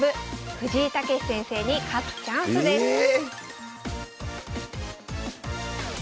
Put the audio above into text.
藤井猛先生に勝つチャンスですえ